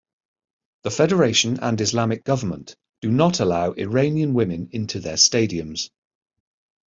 The federation and Islamic government do not allow Iranian women into their stadiums.